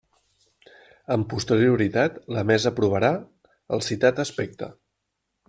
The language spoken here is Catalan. Amb posterioritat, la mesa aprovarà el citat aspecte.